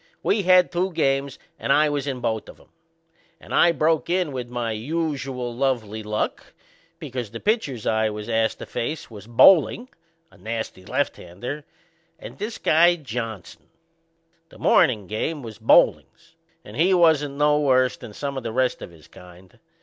We had two games and I was in both of 'em. And I broke in with my usual lovely luck, because the pitchers I was ast to face was Boehling, a nasty lefthander, and this guy Johnson. The mornin' game was Boebling's and he wasn't no worse than some o' the rest of his kind.